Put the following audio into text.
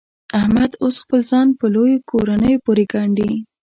احمد اوس خپل ځان په لویو کورنیو پورې ګنډي.